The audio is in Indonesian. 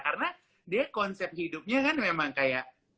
karena dia konsep hidupnya kan memang kayak